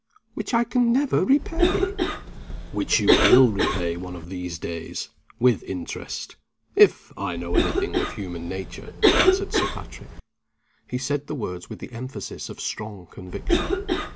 "Which I can never repay!" "Which you will repay one of these days, with interest if I know any thing of human nature," answered Sir Patrick. He said the words with the emphasis of strong conviction.